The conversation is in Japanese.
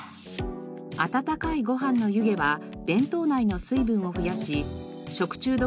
温かいご飯の湯気は弁当内の水分を増やし食中毒